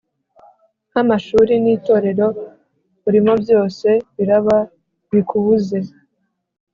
nk’amashuli, n’itorero urimo byose biraba bikubuze